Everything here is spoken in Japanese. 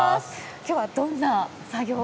今日はどんな作業を？